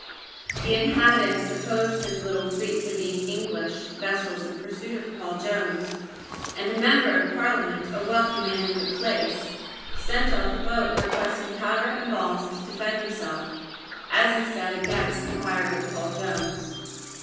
The inhabitants supposed his little fleet to be English vessels in pursuit of Paul Jones; and a member of Parliament, a wealthy man in the place, sent off a boat requesting powder and balls to defend himself, as he said, against "the pirate Paul Jones."